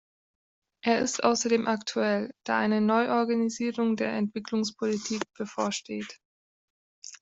Er ist außerdem aktuell, da eine Neuorganisierung der Entwicklungspolitik bevorsteht.